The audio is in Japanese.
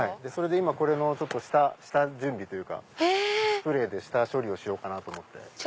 今これの下準備というかスプレーで下処理しようと思って。